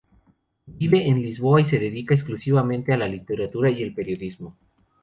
Vive en Lisboa y se dedica exclusivamente a la literatura y el periodismo.